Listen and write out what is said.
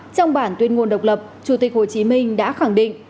trong bản tuyên ngôn độc lập chủ tịch hồ chí minh đã khẳng định